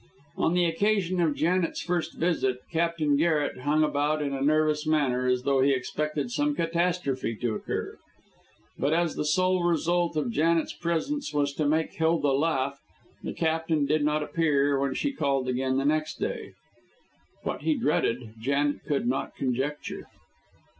On the occasion of Janet's first visit, Captain Garret hung about in a nervous manner, as though he expected some catastrophe to occur. But as the sole result of Janet's presence was to make Hilda laugh, the Captain did not appear when she called again the next day. What he dreaded, Janet could not conjecture.